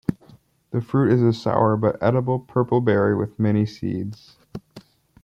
The fruit is a sour but edible purple berry with many seeds.